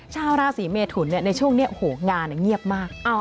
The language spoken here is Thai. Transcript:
ชาวราศีเมทุนเนี่ยในช่วงเนี่ยโหงานเงียบมาก